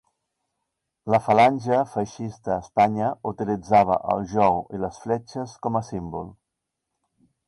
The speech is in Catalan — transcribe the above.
La Falange feixista a Espanya utilitzava el jou i les fletxes com a símbol.